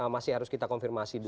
masih harus kita konfirmasi